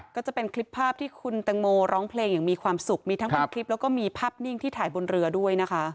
ก็จะเป็นคลิปภาพที่คุณตังโมร้องเพลงอย่างมีความสุขมีทั้งเป็นคลิปแล้วก็มีภาพนิ่งที่ถ่ายบนเรือด้วยนะคะ